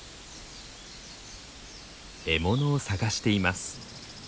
獲物を探しています。